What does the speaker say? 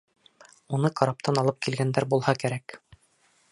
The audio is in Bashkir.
Уны караптан алып килгәндәр булһа кәрәк.